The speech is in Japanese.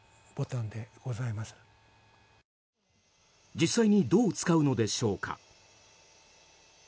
実際にどう使うのでしょうか。